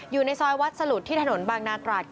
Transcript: ช่วยวัดสรุทที่ถนนบากนาตราค